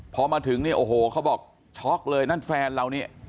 พอมาถึงเนี่ยโอ้โหเขาบอกช็อกเลยนั่นแฟนเรานี่